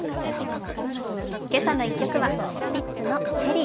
「けさの１曲」はスピッツの「チェリー」。